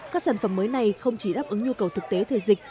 các sản phẩm mới này không chỉ đáp ứng nhu cầu thực tế thời dịch